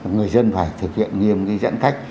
người dân phải thực hiện nghiêm cái giãn cách